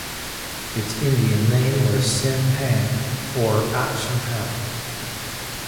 Its Indian name was Sinne-Hanne or Achsin-Hanne.